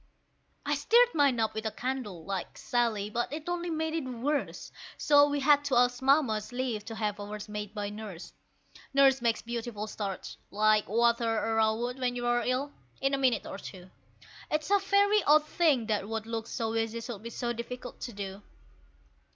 I stirred mine up with a candle, like Sally, but it only made it worse; So we had to ask Mamma's leave to have ours made by Nurse. Nurse makes beautiful starch like water arrowroot when you're ill in a minute or two. It's a very odd thing that what looks so easy should be so difficult to do!